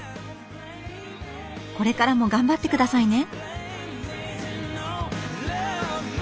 これからも頑張ってくださいね。